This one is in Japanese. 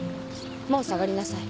もう下がりなさい。